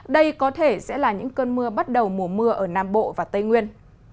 đây có thể sẽ là những cơn mưa bắt đầu mùa mưa ở nam bộ và tây nguyên